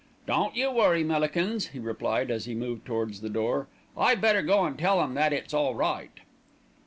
"Don't you worry, Millikins," he replied as he moved towards the door. "I'd better go and tell 'em that it's all right."